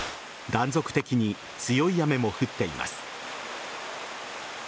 断続的に強い雨も降っています。